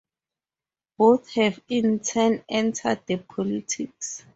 Both have in turn entered the politics.